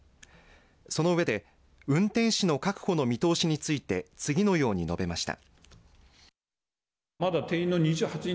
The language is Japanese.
その上で、運転士の確保の見通しについて次のように述べました。